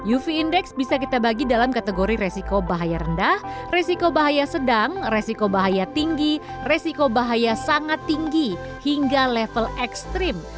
uv index bisa kita bagi dalam kategori resiko bahaya rendah resiko bahaya sedang resiko bahaya tinggi resiko bahaya sangat tinggi hingga level ekstrim